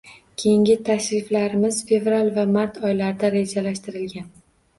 Keyingi tashriflarimiz fevral va mart oylarida rejalashtirilgan